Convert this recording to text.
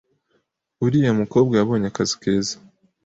Uriya mukobwa yabonye akazi keza